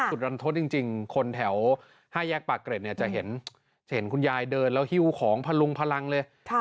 สุดรันทดจริงคนแถวห้าแยกปากเกรดจะเห็นคุณยายเดินแล้วฮิวของพลุงพลังเลย